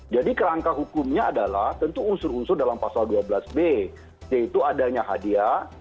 jadi kerangka hukumnya adalah tentu unsur unsur dalam pasal dua belas b yaitu adanya hadiah